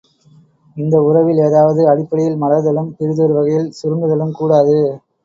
இந்த உறவில் ஏதாவது அடிப்படையில் மலர்தலும், பிறிதொரு வகையில் சுருங்குதலும் கூடாது.